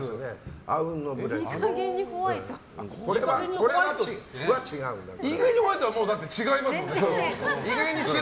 いい加減にホワイトは違いますもんね。